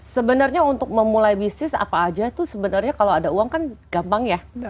sebenarnya untuk memulai bisnis apa aja itu sebenarnya kalau ada uang kan gampang ya